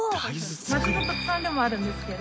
町の特産でもあるんですけど